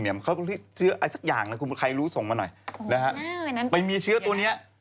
เขามีเชื้ออะไรสักอย่างใครรู้ส่งมาหน่อย